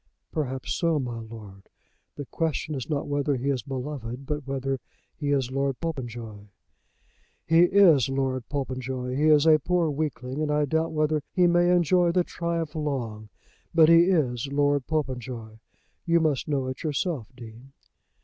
"Perhaps so, my lord. The question is not whether he is beloved, but whether he is Lord Popenjoy." "He is Lord Popenjoy. He is a poor weakling, and I doubt whether he may enjoy the triumph long, but he is Lord Popenjoy. You must know it yourself, Dean."